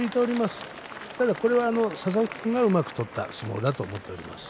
ただ、これは佐々木君がうまく取った相撲だと思っております。